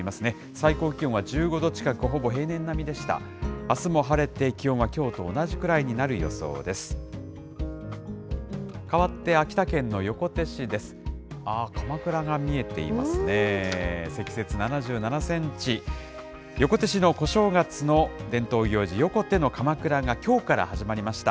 最高気温は１５度近く、ほぼ平年並みでした。